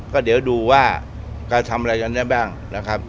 ก็ดูว่าทำอะไรกันนี้แบบนี้